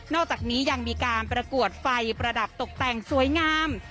อกจากนี้ยังมีการประกวดไฟประดับตกแต่งสวยงาม